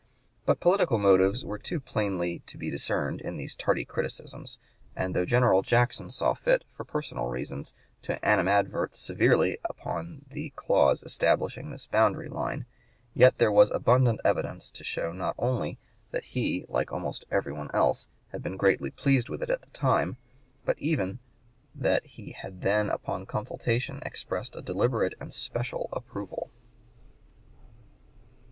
But political motives were too plainly to be discerned in these tardy criticisms; and though General Jackson saw fit, for personal reasons, to animadvert severely upon the clause establishing this boundary line, yet there was abundant evidence to show not only that he, like almost everybody else, had been greatly pleased with it at the time, but even that he had then upon consultation expressed a deliberate and special approval.